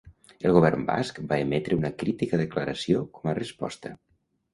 El govern basc va emetre una crítica declaració com a resposta.